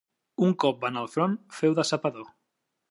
Un cop va anar al front, féu de sapador.